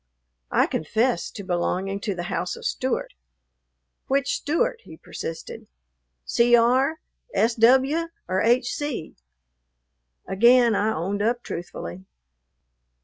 I confessed to belonging to the house of Stewart. "Which Stewart?" he persisted, "C.R., S.W., or H.C.?" Again I owned up truthfully.